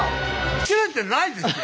切れてないですよ。